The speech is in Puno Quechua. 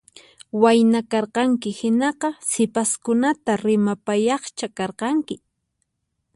Wayna karqanki hinaqa sipaskunata rimapayaqcha karqanki